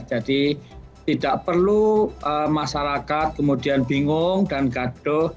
jadi tidak perlu masyarakat kemudian bingung dan gaduh